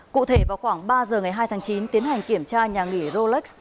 cụ thể vào khoảng ba giờ ngày hai tháng chín tiến hành kiểm tra nhà nghỉ rolex